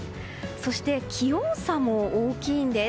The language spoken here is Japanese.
そして、気温差も大きいんです。